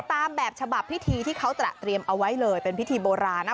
ตามแบบฉบับพิธีที่เขาตระเตรียมเอาไว้เลยเป็นพิธีโบราณนะ